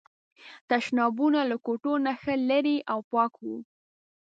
تشنابونه له کوټو نه ښه لرې او پاک وو.